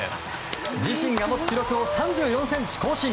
自身が持つ記録を３４ｃｍ更新！